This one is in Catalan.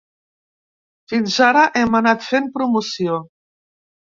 Fins ara hem anat fent promoció.